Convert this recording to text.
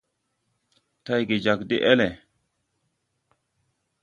Tayge jag de ele.